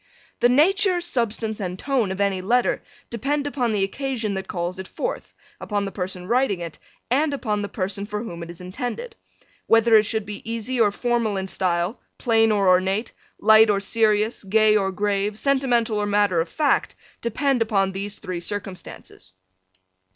The nature, substance and tone of any letter depend upon the occasion that calls it forth, upon the person writing it and upon the person for whom it is intended. Whether it should be easy or formal in style, plain or ornate, light or serious, gay or grave, sentimental or matter of fact depend upon these three circumstances.